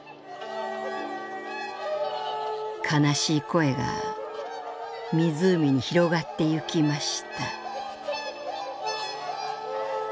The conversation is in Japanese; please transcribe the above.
「悲しい声が湖に広がってゆきました」。